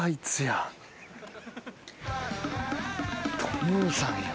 トムーさんや。